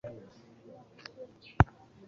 Imikaya y'amabuno yawe iba iri mu gihe cyiza